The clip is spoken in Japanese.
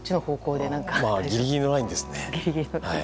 ギリギリのラインですね。